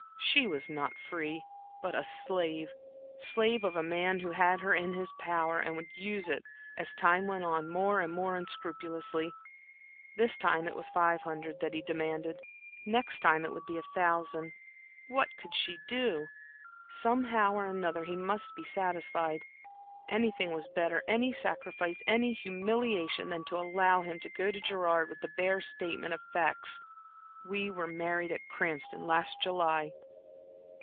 She was not free, but a slave; slave of a man who had her in his power, and would use it, as time went on, more and more unscrupulously. This time it was five hundred that he demanded; next time it would be a thousand. What could she do? Somehow or another, he must be satisfied. Anything was better, any sacrifice, any humiliation, than to allow him to go to Gerard with that bare statement of facts, "We were married at Cranston, last July!"